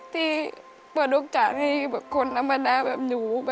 ที่เปิดโอกาสให้คนธรรมดาแบบหนู